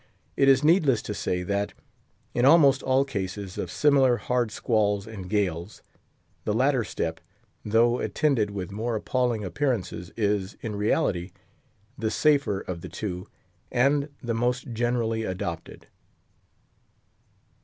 It is needless to say that, in almost all cases of similar hard squalls and gales, the latter step, though attended with more appalling appearances is, in reality, the safer of the two, and the most generally adopted.